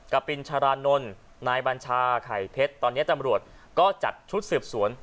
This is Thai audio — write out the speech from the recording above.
ปินชารานนท์นายบัญชาไข่เพชรตอนนี้ตำรวจก็จัดชุดสืบสวน